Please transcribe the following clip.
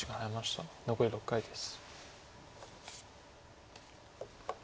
残り６回です。